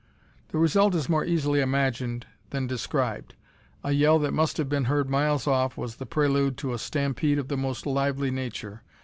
The result is more easily imagined than described. A yell that must have been heard miles off was the prelude to a stampede of the most lively nature.